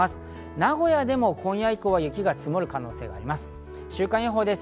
名古屋でも今夜以降は雪が積もる可能性があります。